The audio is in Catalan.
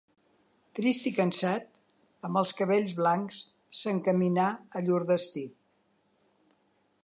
Trist i cansat, amb els cabells blancs, s'encaminà a llur destí.